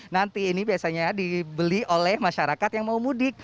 nanti ini biasanya dibeli oleh masyarakat yang mau mudik